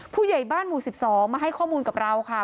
ผู้ใหญ่บ้านหมู่๑๒มาให้ข้อมูลกับเราค่ะ